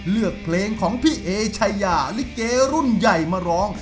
เลือกเพลงของพี่เอชายาลิเกรุ่นใหญ่มาร้อง